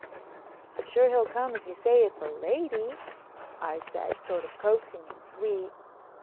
"I'm sure he'll come if you say it's a lady," I said, sort of coaxing and sweet.